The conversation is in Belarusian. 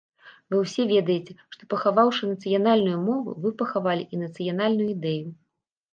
Вы ўсе ведаеце, што пахаваўшы нацыянальную мову, вы пахавалі і нацыянальную ідэю!